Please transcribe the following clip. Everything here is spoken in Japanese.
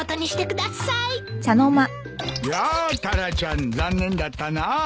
やあタラちゃん残念だったなぁ。